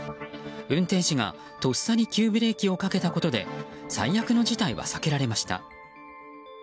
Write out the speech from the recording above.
運転士が、とっさに急ブレーキをかけたことで最悪の事態は避けられました。